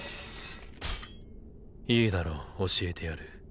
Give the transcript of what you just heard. いいだろう教えてやる。